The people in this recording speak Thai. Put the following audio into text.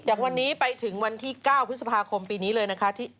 จากวันนี้ไปถึงวันที่๙พฤษภาคมปีนี้เลยนะคะ